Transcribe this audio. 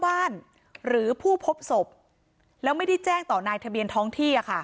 หรือผู้พบศพแล้วไม่ได้แจ้งต่อนายทะเบียนท้องที่